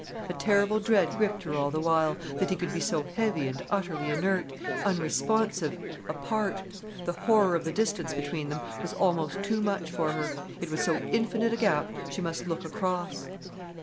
A terrible dread gripped her all the while: that he could be so heavy and utterly inert, unresponsive, apart. The horror of the distance between them was almost too much for her—it was so infinite a gap she must look across.